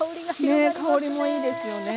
ねえ香りもいいですよね。